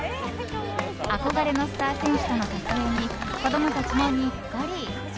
憧れのスター選手との撮影に子供たちもにっこり。